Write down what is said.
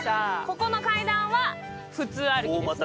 ここの階段は普通歩きですね。